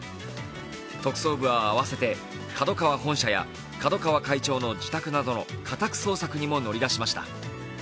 特捜部はあわせてＫＡＤＯＫＡＷＡ本社や角川会長の自宅など家宅捜索にも乗り出しました。